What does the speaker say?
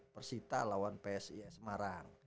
persita lawan psis marang